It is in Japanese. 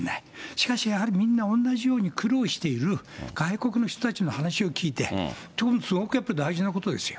しかし、やはりみんな同じように苦労している外国の人たちの話を聞いて、それもすごく大事なことですよ。